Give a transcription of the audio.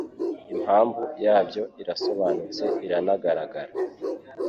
Impamvu yabyo irasobanutse iranagaragara